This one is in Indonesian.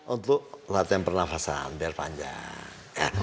untuk latihan pernafasan biar panjang